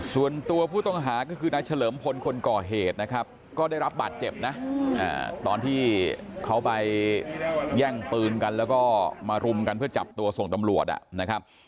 ส่วนตัวผู้ต้องหาก็คือนายเฉลิมพลคนก่อเหตุนะครับก็ได้รับบาดเจ็บนะตอนที่เขาไปแย่งปืนกันแล้วก็มารุมกันเพื่อจับตัวส่งตำรวจนะครับ